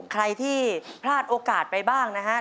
ใครที่พลาดโอกาสไปบ้างนะฮะ